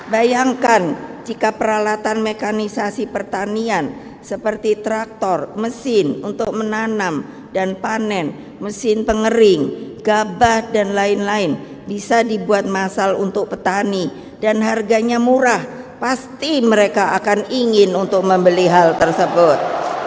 bayangkan jika peralatan mekanisasi pertanian seperti traktor mesin untuk menanam dan panen mesin pengering gabah dan lain lain bisa dibuat masal untuk petani dan harganya murah pasti mereka akan ingin untuk membeli hal tersebut